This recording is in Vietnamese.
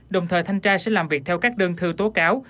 đồng thời thanh tra sẽ làm việc theo các đơn thư tố cáo